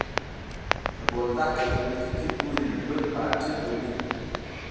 له بولدکه تر کجکي پورې مې بل پاټک ونه ليد.